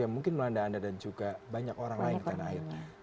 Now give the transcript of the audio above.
yang mungkin melanda anda dan juga banyak orang lain